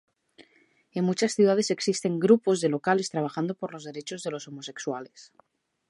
En muchas ciudades existen grupos locales trabajando por los derechos de los homosexuales.